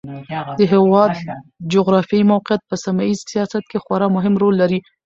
د هېواد جغرافیایي موقعیت په سیمه ییز سیاست کې خورا مهم رول لري.